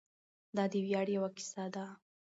دا د ویاړ یوه کیسه ده.